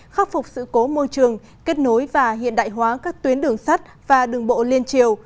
khắc phục sự cố môi trường kết nối và hiện đại hóa các tuyến đường sắt và đường bộ liên triều